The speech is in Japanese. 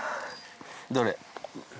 どれ。